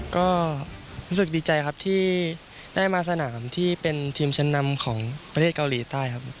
ก็รู้สึกดีใจครับที่ได้มาสนามที่เป็นทีมชั้นนำของประเทศเกาหลีใต้ครับ